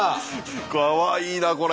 かわいいなこれ。